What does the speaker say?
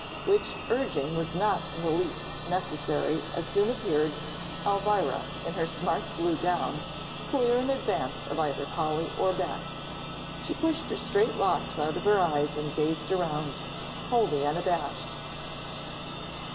Which urging was not in the least necessary as soon appeared Elvira, in her smart blue gown, clear in advance of either Polly or Ben. She pushed her straight locks out of her eyes and gazed around, wholly unabashed.